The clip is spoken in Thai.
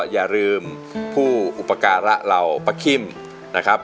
อย่าลืมผู้อุปการะเหล่าปะคิมนะครับ